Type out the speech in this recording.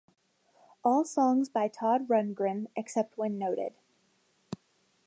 All songs by Todd Rundgren; except when noted.